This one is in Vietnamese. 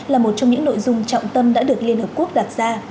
là một trong những nội dung trọng tâm đã được liên hợp quốc đặt ra